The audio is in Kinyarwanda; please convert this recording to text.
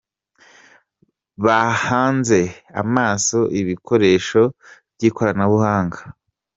bahanze amaso ibikoresho by'ikoranabuhanga?